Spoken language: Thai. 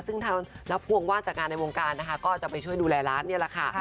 ซึ่งทางนับพวงว่าจากงานในวงการนะคะก็จะไปช่วยดูแลร้านนี่แหละค่ะ